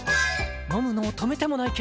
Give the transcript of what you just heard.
飲むのを止めてもないけど！